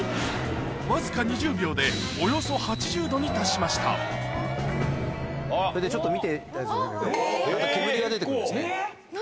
僅か２０秒で、およそ８０度に達それでちょっと見ていただいて。